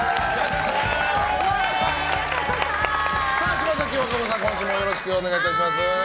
島崎和歌子さん、今週もよろしくお願い致します。